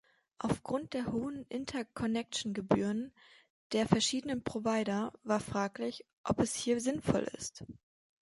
Aufgrund der hohen Interconnection-Gebühren der verschiedenen Provider war fraglich, ob es hier sinnvoll ist.